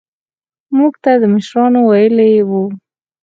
موږ ته مشرانو ويلي وو.